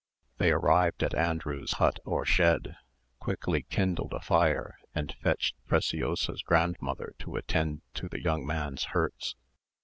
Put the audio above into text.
They arrived at Andrew's hut or shed, quickly kindled a fire, and fetched Preciosa's grandmother to attend to the young man's hurts.